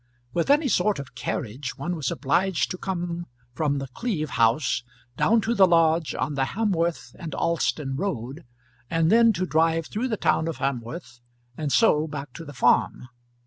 With any sort of carriage one was obliged to come from The Cleeve House down to the lodge on the Hamworth and Alston road, and then to drive through the town of Hamworth, and so back to the farm.